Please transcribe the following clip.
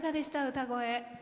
歌声。